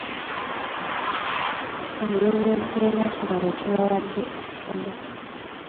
Annyonnyodde nga kino bwe kibawadde essomo.